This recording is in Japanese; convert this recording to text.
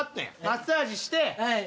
マッサージして。